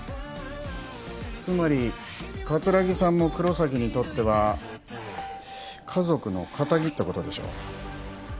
つまり桂木さんも黒崎にとっては家族の敵ってことでしょ？